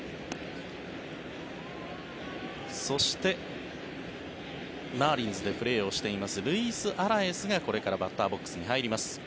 そして、マーリンズでプレーしていますルイス・アラエスがこれからバッターボックスに入ります。